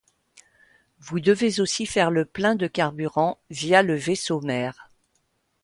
Vous devez aussi faire le plein de carburant via le vaisseau mère.